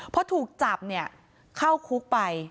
พอถูกจับเนี่ยเข้าคุกไป